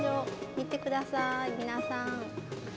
見てください、皆さん。